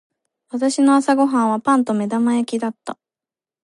私の朝ご飯はパンと目玉焼きだった。